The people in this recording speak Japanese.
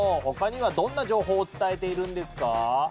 他にはどんな情報を伝えているんですか？